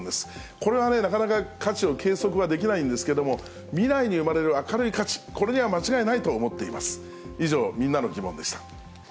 これはね、なかなか価値を計測はできないんですが、未来に生まれる明るい価値、これには間違いないと思っています。